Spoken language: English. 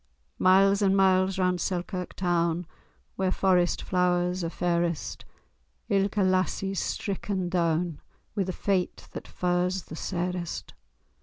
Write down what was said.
Miles and miles round Selkirk toun, Where forest flow'rs are fairest, Ilka lassie's stricken doun, Wi' the fate that fa's the sairest.